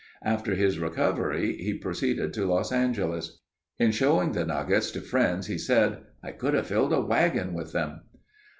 After his recovery he proceeded to Los Angeles. In showing the nuggets to friends he said, "I could have filled a wagon with them."